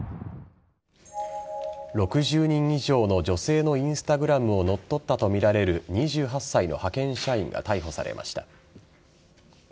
６０人以上の女性のＩｎｓｔａｇｒａｍを乗っ取ったとみられる２８歳の派遣社員が逮捕されました。